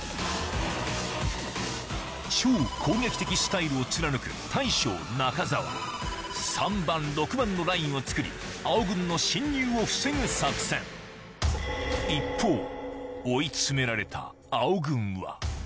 超攻撃的スタイルを貫く大将・中澤３番６番のラインを作り青軍の侵入を防ぐ作戦一方追い詰められた青軍は？